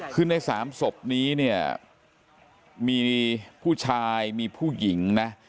คือใน๓ศพนี้เนี่ยมีผู้ชายมีผู้หญิงนะ